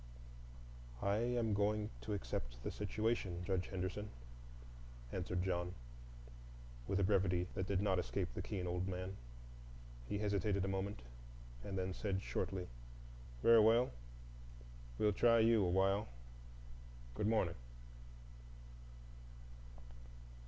"I am going to accept the situation, Judge Henderson," answered John, with a brevity that did not escape the keen old man. He hesitated a moment, and then said shortly, "Very well,—we'll try you awhile. Good morning."